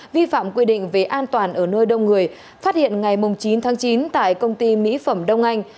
vi phạm quy định về an toàn ở nơi đông người phát hiện ngày chín tháng chín tại công ty mỹ phẩm đông anh